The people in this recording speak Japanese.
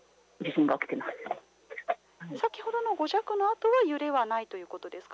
先ほどの５弱のあとは揺れはないということですか。